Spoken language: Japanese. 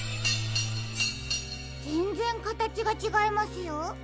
ぜんぜんかたちがちがいますよ。